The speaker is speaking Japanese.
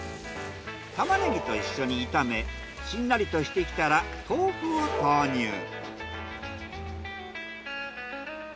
タマネギと一緒に炒めしんなりとしてきたら豆腐を投入。